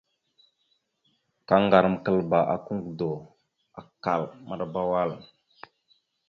Kaŋgarəkaləba aka ŋgədo, akkal, maɗəba wal.